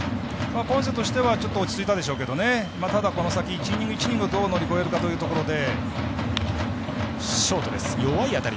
ポンセとしては、ちょっと落ち着いたでしょうが、この先１イニング、１イニングをどう乗り越えるかというところで。